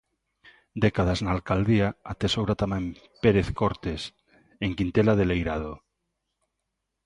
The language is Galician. Décadas na alcaldía atesoura tamén Pérez Cortes en Quintela de Leirado.